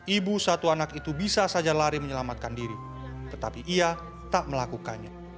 ibu satu anak itu bisa saja lari menyelamatkan diri tetapi ia tak melakukannya